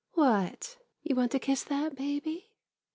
What — you want to kiss that baby?